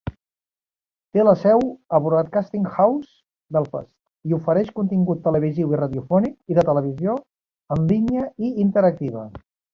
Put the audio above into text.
Té la seu a Broadcasting House, Belfast, i ofereix contingut televisiu i radiofònic i de televisió en línia i interactiva.